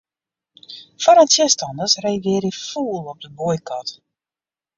Foar- en tsjinstanners reagearje fûl op de boykot.